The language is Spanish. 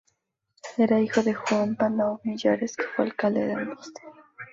Era hijo de Juan Palau Miralles, que fue alcalde de Amposta.